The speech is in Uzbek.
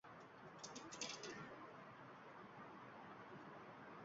Vaqti-soati yetib, inson dunyodan ko‘z yumganida ham oq mato bilan kafanlanadi.